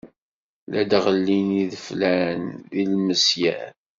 La d-ɣellin ideflan d ilmesyar.